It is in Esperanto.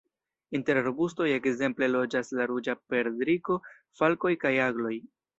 Inter arbustoj ekzemple loĝas la Ruĝa perdriko, falkoj kaj agloj.